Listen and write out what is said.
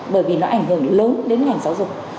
bởi vì nó ảnh hưởng lớn đến ngành giáo dục